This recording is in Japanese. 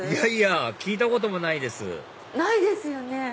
いやいや聞いたこともないですないですよね。